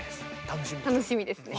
楽しみですね。